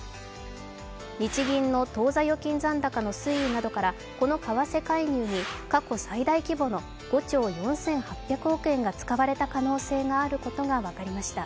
日銀の当座預金残高の推移などから、この為替介入に過去最大規模の５兆４８００億円が使われた可能性があることが分かりました。